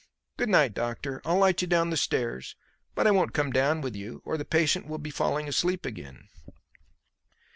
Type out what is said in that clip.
Good night, doctor. I'll light you down the stairs, but I won't come down with you, or the patient will be falling asleep again."